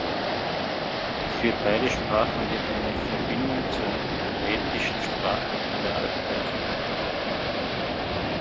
Für beide Sprachen wird eine Verbindung zur rätischen Sprache in der Alpenregion angenommen.